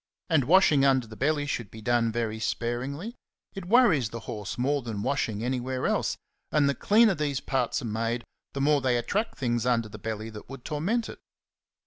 And washing under the belly should be done very sparingly; it worries the horse more than washing anywhere else, and the cleaner these parts are made, the more they attract things under the belly that would torment it.